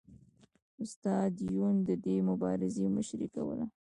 استاد یون د دې مبارزې مشري کوله